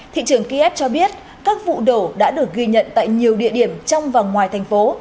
thị trường kiev cho biết các vụ đổ đã được ghi nhận tại nhiều địa điểm trong và ngoài thành phố